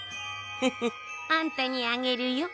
フフッあんたにあげるよ。